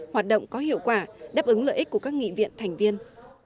hoạt động có hiệu quả đáp ứng lợi ích của các nghị viện thành viên